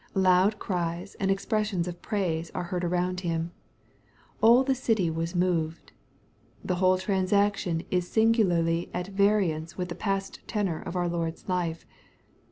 Loud cries and expressions of praise are heard around him. " All the city was moved." The whole transaction is singularly at variance with the past tenor of our Lord's life.